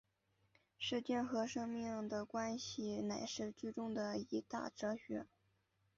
时间和生命的关系乃是剧中的一大哲学。